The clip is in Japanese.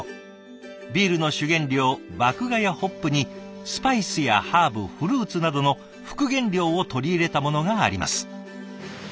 ビールの主原料麦芽やホップにスパイスやハーブフルーツなどの副原料を取り入れたものがあります。